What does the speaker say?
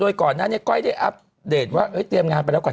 โดยก่อนนั้นก้อยได้อัพเดทว่าเฮ้ยเตรียมงานไปแล้วกว่า๗๐